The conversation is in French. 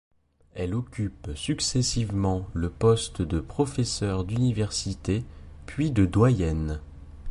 Elle occupe successivement le poste de professeure d'université puis de doyenne.